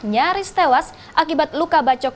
nyaris tewas akibat luka bacok